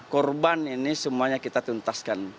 korban ini semuanya kita tuntaskan